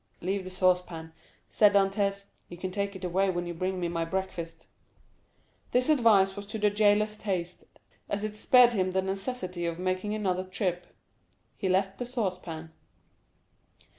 "Leave the saucepan," said Dantès; "you can take it away when you bring me my breakfast." This advice was to the jailer's taste, as it spared him the necessity of making another trip. He left the saucepan.